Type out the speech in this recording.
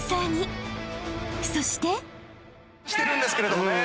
［そして］きてるんですけれどもね。